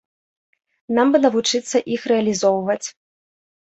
Нам бы навучыцца іх рэалізоўваць.